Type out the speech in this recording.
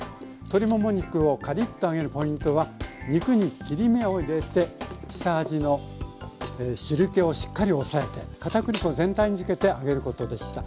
鶏もも肉をカリッと揚げるポイントは肉に切り目を入れて下味の汁けをしっかり押さえて片栗粉全体につけて揚げることでした。